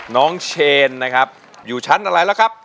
น้องเชนนะครับอยู่ชั้นอะไรแล้วครับ